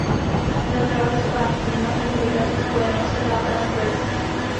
Zemřela ve spánku na komplikace spojené se zápalem plic.